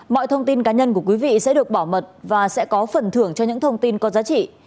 mọi thông tin cá nhân của quý vị sẽ được bảo mật và sẽ có phần thưởng cho những thông tin có giá trị